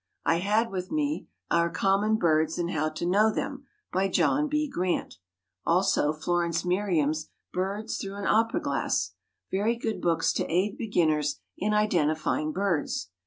I had with me "Our Common Birds and How to Know Them," by John B. Grant; also Florence Merriam's "Birds Through an Opera Glass" very good books to aid beginners in identifying birds.